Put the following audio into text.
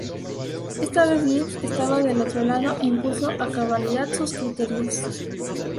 Esta vez Gibbs estaba del otro lado e impuso a cabalidad sus criterios.